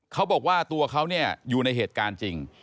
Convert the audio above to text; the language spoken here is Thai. เขาบอกว่าตัวเขาอยู่ในเหตุการณ์จริง